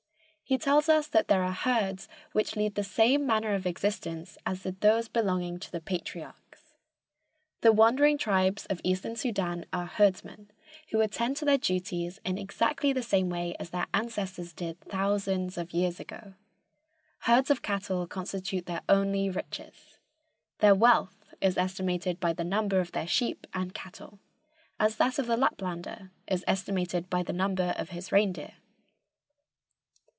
He tells us that there are "herds which lead the same manner of existence as did those belonging to the patriarchs. The wandering tribes of Eastern Soudan are herdsmen, who attend to their duties in exactly the same way as their ancestors did thousands of years ago. Herds of cattle constitute their only riches. Their wealth is estimated by the number of their sheep and cattle, as that of the Laplander is estimated by the number of his reindeer.